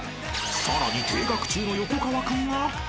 ［さらに停学中の横川君が？］